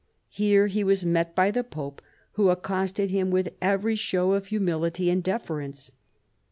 Here he was met by the pope, who accosted him with every show of humility and deference.